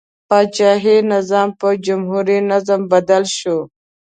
پاچاهي نظام په جمهوري نظام بدل شو.